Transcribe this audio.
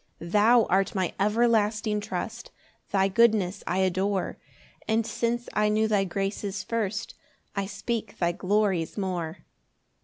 2 Thou art my everlasting trust, Thy goodness I adore; And since I knew thy graces first I speak thy glories more.